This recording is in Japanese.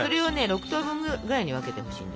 ６等分ぐらいに分けてほしいんだよね。